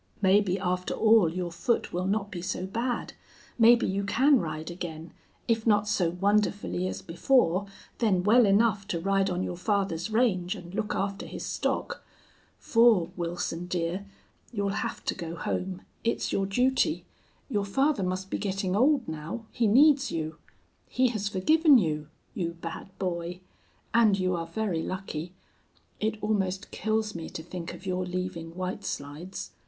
Maybe, after all, your foot will not be so bad. Maybe you can ride again, if not so wonderfully as before, then well enough to ride on your father's range and look after his stock. For, Wilson dear, you'll have to go home. It's your duty. Your father must be getting old now. He needs you. He has forgiven you you bad boy! And you are very lucky. It almost kills me to think of your leaving White Slides.